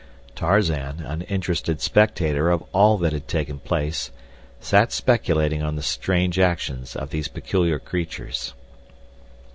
Tarzan, an interested spectator of all that had taken place, sat speculating on the strange actions of these peculiar creatures.